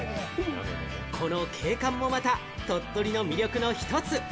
この景観もまた、鳥取の魅力の一つ。